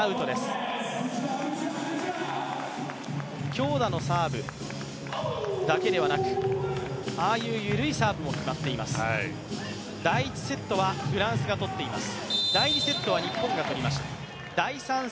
強打のサーブだけではなく、緩いサーブも決まっています。